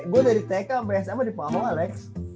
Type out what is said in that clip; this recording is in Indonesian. gue dari tk sama bsm di pahoa lex